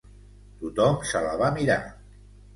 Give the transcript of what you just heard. Tothom se la va mirar.